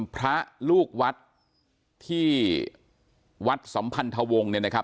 พระลูกวัดที่วัดสัมพันธวงศ์เนี่ยนะครับ